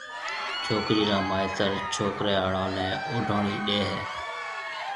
ڇوڪرِي را مائيتر ڇوڪرَي آݪو نيَ اوڊوڻِي ڏَي ھيََََ